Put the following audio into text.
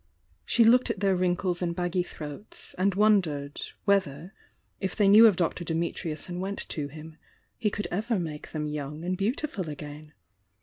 She looked at their wrinkles and baggy throats, and wondered, whether, if they knew of Dr. Dimitrius and went to him, he could ever make them young and beautiful again?